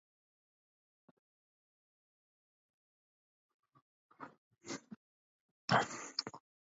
The balsam and its oil are used as fixatives in soap perfumes and fragrances.